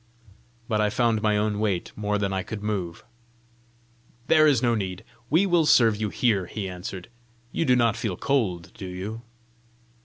But I found my own weight more than I could move. "There is no need: we will serve you here," he answered. " You do not feel cold, do you?"